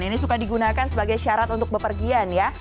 ini suka digunakan sebagai syarat untuk bepergian ya